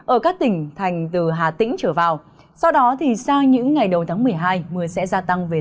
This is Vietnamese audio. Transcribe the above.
ở các tỉnh thành từ hà tĩnh trở vào sau đó thì sang những ngày đầu tháng một mươi hai mưa sẽ gia tăng về diện